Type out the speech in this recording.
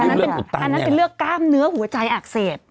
ริ่มเลือดอุดตั้งนี่แหละใช่อันนั้นเป็นเรื่องกล้ามเนื้อหัวใจอักเสบ